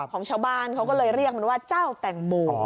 ของชาวบ้านเขาก็เลยเรียกมันว่าเจ้าแตงโม